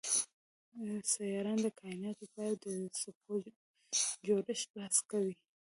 سیارات د کایناتو پای او د څپو جوړښت بحث کوي.